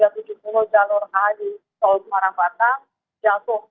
di timur jalur a di tolg morang batang jatuh